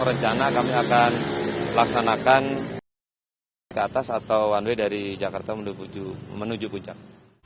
rencana kami akan laksanakan naik ke atas atau one way dari jakarta menuju puncak